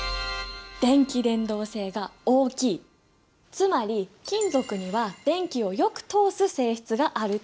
つまり金属には電気をよく通す性質があるってこと。